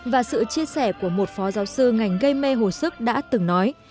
và sự chia sẻ của một phó giáo sư ngành gây mê hồi sức đã từng nói